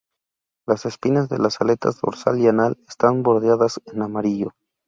Las espinas de las aletas dorsal y anal están bordeadas en amarillo.